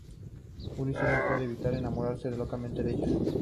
Ulises no puede evitar enamorarse locamente de ella.